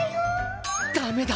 ダメだ！